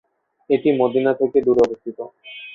এটি মদিনা থেকে দূরে অবস্থিত।